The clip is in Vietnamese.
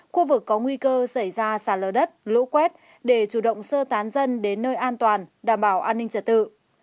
khu vực có nguy cơ xảy ra xả lở đất lỗ quét để chủ động sơ tán dân đến nơi an toàn đảm bảo an ninh trả tự